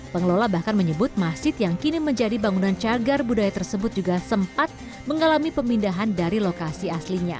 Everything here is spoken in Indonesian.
pengelola bahkan menyebut masjid yang kini menjadi bangunan cagar budaya tersebut juga sempat mengalami pemindahan dari lokasi aslinya